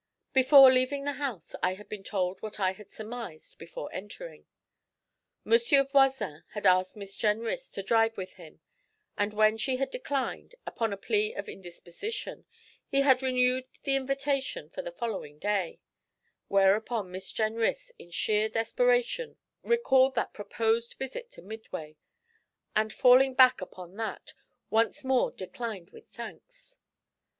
Before leaving the house I had been told what I had surmised before entering. Monsieur Voisin had asked Miss Jenrys to drive with him, and when she had declined, upon a plea of indisposition, he had renewed the invitation for the following day, whereupon Miss Jenrys, in sheer desperation, recalled that proposed visit to Midway, and, falling back upon that, once more declined with thanks.